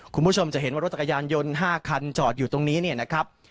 คุณผู้ชมจะเห็นว่ารถจักรยานยนต์๕คันจอดอยู่ตรงนี้เนี่ยนะครับ